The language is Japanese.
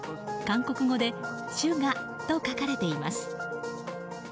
韓国語で「ＳＵＧＡ」と書かれています。